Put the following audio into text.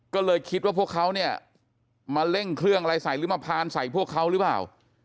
ก็เลยคิดว่าพวกเขาเนี่ยมาเร่งเครื่องอะไรใส่หรือมาพานใส่พวกเขาหรือเปล่า